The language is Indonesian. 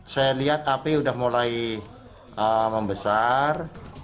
saya lihat api sudah mulai membesar